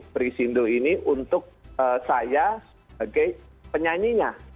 prisindo ini untuk saya sebagai penyanyinya